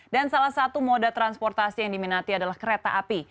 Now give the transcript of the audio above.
dan salah satu moda transportasi yang diminati adalah kereta api